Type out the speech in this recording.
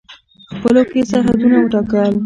خپلو کې یې سرحدونه وټاکل.